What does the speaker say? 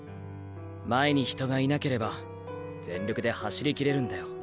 前に人がいなければ全力で走り切れるんだよ